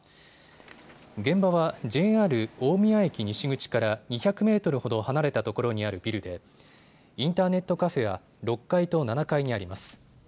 現場はＪＲ大宮駅西口から２００メートルほど離れたところにあるビルでインターネットカフェは６階と７階にあります。